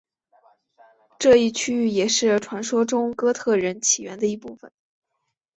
这一区域也是传说中哥特人起源的一部分。